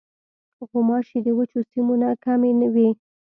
غوماشې د وچو سیمو نه کمې وي.